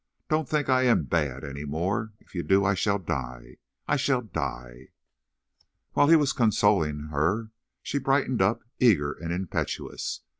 Don't think I am—bad any more. If you do I shall die, I shall die!" While he was consoling, her, she brightened up, eager and impetuous.